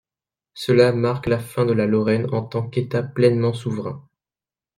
Cela marque la fin de la Lorraine en tant qu'État pleinement souverain.